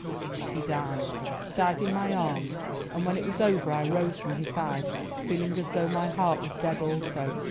But he died, died in my arms, and when it was over I rose from his side feeling as though my heart was dead also.